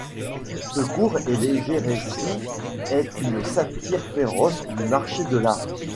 Ce court et léger récit est une satire féroce du marché de l'art.